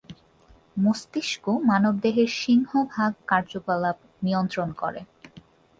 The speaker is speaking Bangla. মস্তিষ্ক মানবদেহের সিংহভাগ কার্যকলাপ নিয়ন্ত্রণ করে।